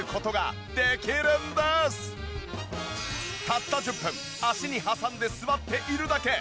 たった１０分足に挟んで座っているだけ。